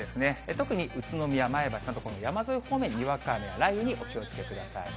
特に宇都宮、前橋など山沿い方面、にわか雨と雷雨にお気をつけください。